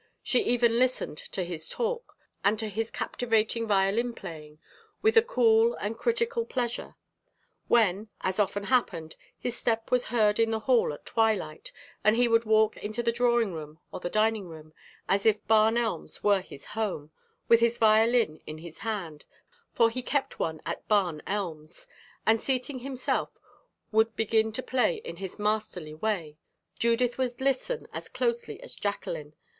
She even listened to his talk, and to his captivating violin playing, with a cool and critical pleasure. When, as often happened, his step was heard in the hall at twilight, and he would walk into the drawing room or the dining room, as if Barn Elms were his home, with his violin in his hand for he kept one at Barn Elms and seating himself would begin to play in his masterly way, Judith would listen as closely as Jacqueline.